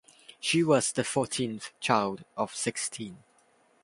She was the fourteenth child of sixteen.